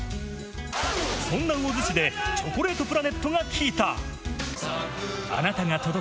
そんな魚津市でチョコレートプラネットが聞いた。